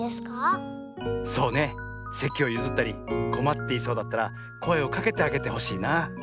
そうねせきをゆずったりこまっていそうだったらこえをかけてあげてほしいな。